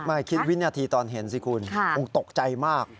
ไม่คิดวินาทีตอนเห็นสิคุณคงตกใจมาก